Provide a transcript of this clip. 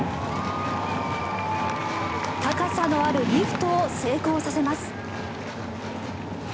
高さのあるリフトを成功させます。